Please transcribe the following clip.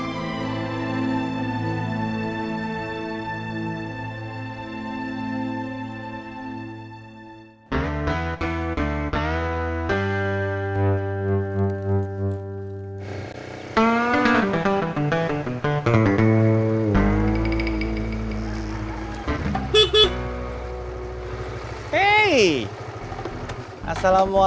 kita misalnya keluar goreng